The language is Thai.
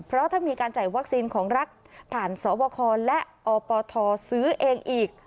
เพราะถ้ามีการจ่ายวัคซีนของรัฐผ่านสวคและอปทซื้อเองอีก